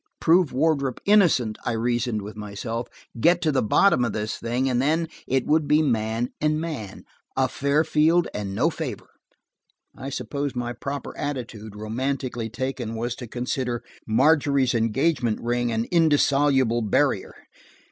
Prove Wardrop innocent, I reasoned with myself, get to the bottom of this thing, and then–it would be man and man. A fair field and no favor. I suppose my proper attitude, romantically taken, was to consider Margery's engagement ring an indissoluble barrier.